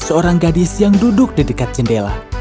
seorang gadis yang duduk di dekat jendela